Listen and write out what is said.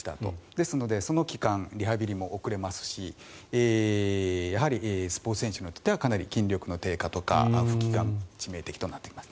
ですので、その期間リハビリも遅れますしスポーツ選手にとっては筋力の低下とか復帰期間が致命的になります。